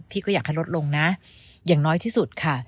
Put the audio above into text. ก็อยากให้ลดลงนะอย่างน้อยที่สุดค่ะ